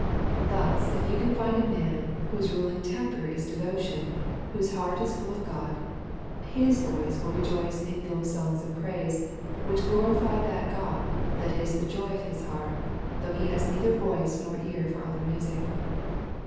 Thus, if you can find a man whose ruling' temper is devotion, whose heart is full of God, his voice will re rejoice in those songs of praise, which glorify that God that is the joy of his heart, though he has neither voice nor ear for other music.